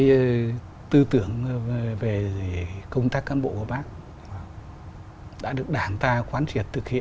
cái tư tưởng về công tác cán bộ của bác đã được đảng ta quán triệt thực hiện